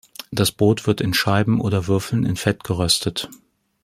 Das Brot wird in Scheiben oder Würfeln in Fett geröstet.